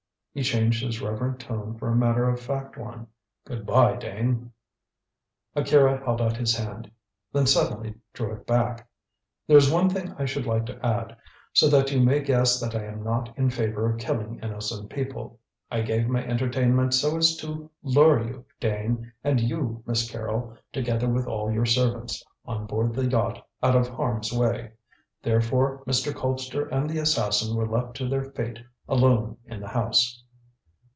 He changed his reverent tone for a matter of fact one. "Good bye, Dane!" Akira held out his hand, then suddenly drew it back. "There is one thing I should like to add, so that you may guess that I am not in favour of killing innocent people. I gave my entertainment so as to lure you, Dane, and you, Miss Carrol, together with all your servants, on board the yacht out of harm's way. Therefore Mr. Colpster and the assassin were left to their fate alone in the house."